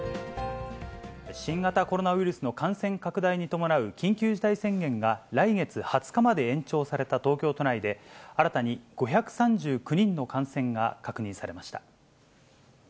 新型コロナウイルスの感染拡大に伴う緊急事態宣言が来月２０日まで延長された東京都内で、新たに５３９人の感染が確認されました。